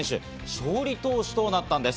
勝利投手となったんです。